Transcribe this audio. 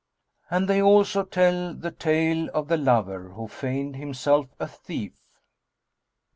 And they also tell the TALE OF THE LOVER WHO FEIGNED HIMSELF A THIEF.